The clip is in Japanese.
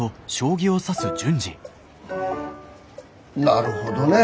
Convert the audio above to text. なるほどね。